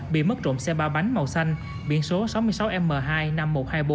bị mất trộm xe ba bánh màu xanh biển số sáu mươi sáu m hai năm nghìn một trăm hai mươi bốn